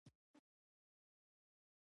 فېسبوک د زده کړې او معلوماتو تبادله آسانوي